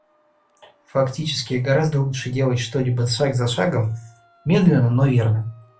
Фактически, гораздо лучше делать что-либо шаг за шагом, медленно, но верно.